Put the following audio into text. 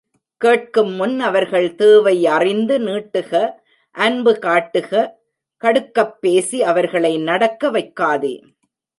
கேட்கும் முன் அவர்கள் தேவை அறிந்து நீட்டுக அன்பு காட்டுக கடுக்கப் பேசி அவர்களை நடக்க வைக்காதே.